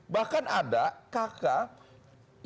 bahkan ada kakak